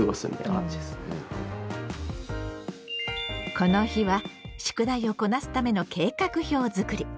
この日は宿題をこなすための計画表づくり。